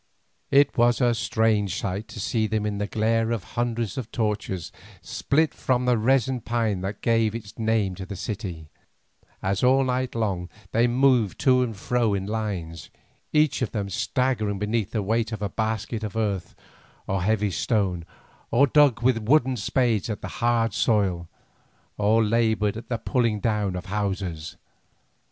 It was a strange sight to see them in the glare of hundreds of torches split from the resin pine that gave its name to the city, as all night long they moved to and fro in lines, each of them staggering beneath the weight of a basket of earth or a heavy stone, or dug with wooden spades at the hard soil, or laboured at the pulling down of houses.